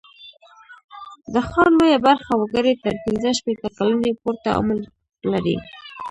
د ښار لویه برخه وګړي تر پینځه شپېته کلنۍ پورته عمر لري.